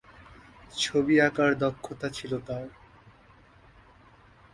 ছবি আঁকার দক্ষতা ছিল তার।